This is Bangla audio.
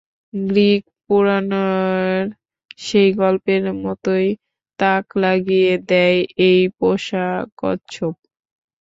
গ্রিক পুরানের সেই গল্পের মতোই তাক লাগিয়ে দেয় একটি পোষা কচ্ছপ।